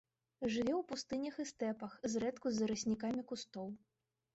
Жыве ў пустынях і стэпах, зрэдку з зараснікамі кустоў.